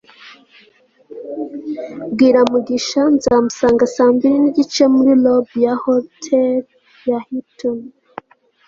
bwira mugisha nzamusanga saa mbiri nigice muri lobby ya hotel ya hilton